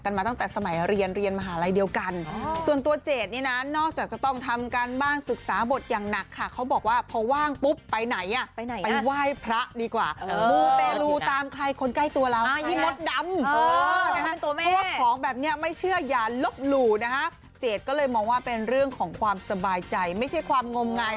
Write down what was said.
ก็ตอนนี้ก็จะเน้นไปเรื่องงานละคร